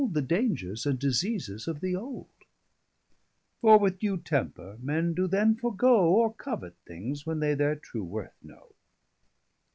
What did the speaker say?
_] The dangers and diseases of the old: For with due temper men doe then forgoe, Or covet things, when they their true worth know.